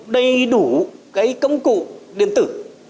đầy đủ cái công cụ điện tử